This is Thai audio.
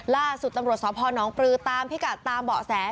ล่าสุดตำรวจสพนปลือตามพิกัดตามเบาะแส